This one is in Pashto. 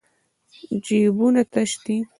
جېبونه تش دي.